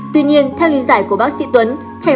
tuy nhiên theo lý giải của bác sĩ tuấn